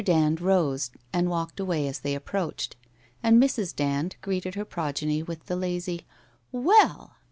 Dand rose and walked away as they approached and Mrs. Dand greeted her progeny with the lazy ' Well